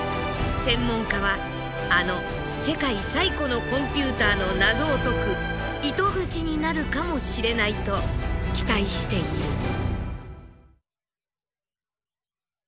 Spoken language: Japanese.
専門家はあの世界最古のコンピューターの謎を解く糸口になるかもしれないと期待している。